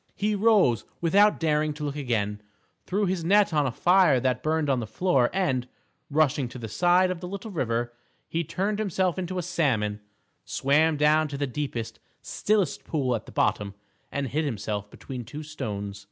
He rose without daring to look again, threw his net on a fire that burned on the floor, and, rushing to the side of the little river, he turned himself into a salmon, swam down to the deepest, stillest pool at the bottom, and hid himself between two stones.